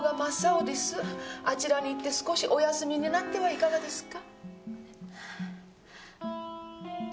あちらに行って少しお休みになってはいかがですか？